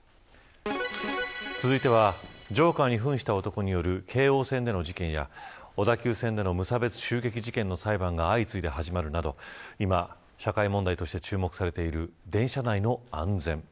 続いてはジョーカーに扮した男による京王線での事件や小田急線での無差別襲撃事件の裁判が相次いで始まるなど今、社会問題として注目されている電車内の安全。